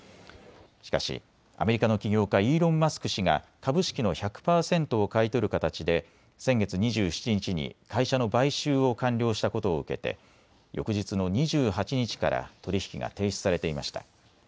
しかしアメリカの起業家、イーロン・マスク氏が株式の１００％を買い取る形で先月２７日に会社の買収を完了したことを受けて翌日の２８日から取り引きが停止されていました。